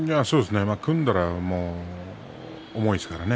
組んだら大翔鵬は重いですからね。